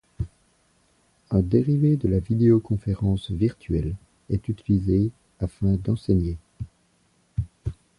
Un dérivé de la vidéoconférence virtuelle est utilisé afin d’enseigner.